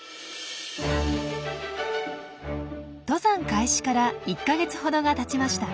登山開始から１か月ほどがたちました。